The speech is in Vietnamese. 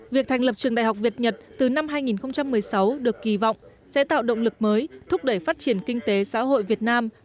việc thành lập trường đại học việt nhật từ năm hai nghìn một mươi sáu được kỳ vọng sẽ tạo động lực mới thúc đẩy phát triển kinh tế xã hội việt nam